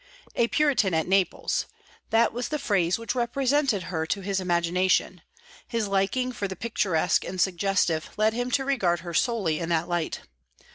"A Puritan at Naples" that was the phrase which represented her to his imagination; his liking for the picturesque and suggestive led him to regard her solely in that light.